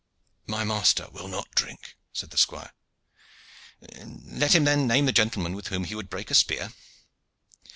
"My master will not drink," said the squire. "Let him then name the gentleman with whom he would break a spear."